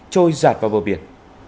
trôi giạt vào bờ biển